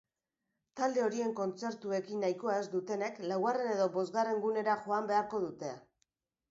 Talde horien kontzertuekin nahikoa ez dutenek laugarren edo bosgarren gunera joan beharko dute.